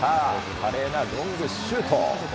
華麗なロングシュート。